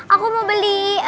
aku mau beli